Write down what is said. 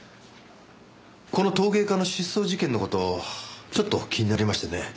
この陶芸家の失踪事件の事ちょっと気になりましてね。